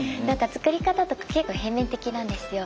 つくり方とか結構平面的なんですよ。